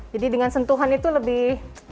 jadi dengan sentuhan itu lebih